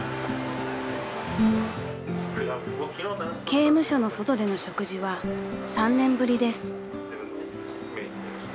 ［刑務所の外での食事は３年ぶりです］